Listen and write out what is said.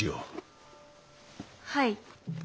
はい。